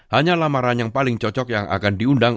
hanya lamaran yang paling cocok yang akan diundang